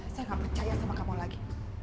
saya gak percaya sama kamu lagi